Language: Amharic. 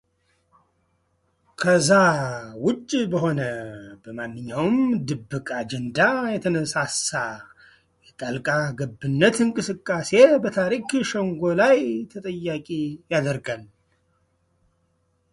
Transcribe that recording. ከዛ ውጭ በሆነ በማንኛውም ድብቅ አጀንዳ የተነሳሳ የጣልቃ ገብነት እንቅስቃሴ በታሪክ ሸንጎ ላይ ተጠያቂ ያደርጋል